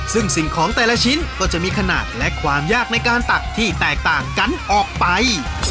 ซึ่งสิ่งของแต่ละชิ้นก็จะมีขนาดและความยากในการตักที่แตกต่างกันออกไป